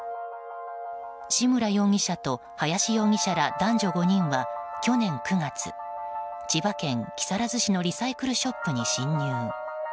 志村容疑者と林容疑者ら男女５人は去年９月、千葉県木更津市のリサイクルショップに侵入。